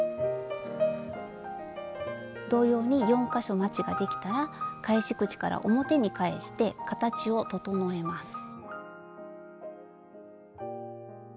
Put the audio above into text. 同様に４か所まちができたら返し口から表に返して形を整えます。